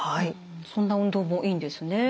そんな運動もいいんですね。